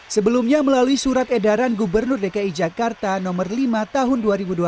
sebelumnya melalui surat edaran gubernur dki jakarta no lima tahun dua ribu dua puluh